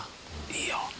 いいよ。